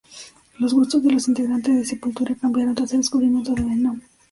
Los gustos de los integrantes de Sepultura cambiaron tras el descubrimiento de Venom.